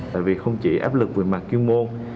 tại vì không chỉ áp lực về mặt chuyên môn